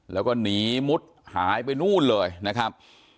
แล้วก็หนีมุดหายไปนู่นเลยนะครับ